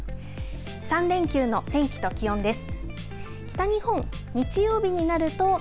３連休の天気と気温です。